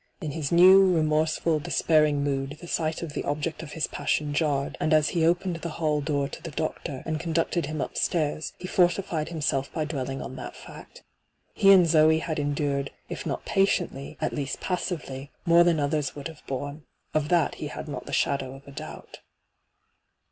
In hia new, remorseful, despairing mood the sight of the object of his passion jarred, and as he opened the hall door to the doctor, and conducted him upstairs, he fortified him self by dwelling on that fiwt. He and Zoe had endured, if not pati^itly, at least pas ^iv. Goot^le ENTRAPPED 31 sively, more than others would have borne. Of that he had not the shadow of a doubt.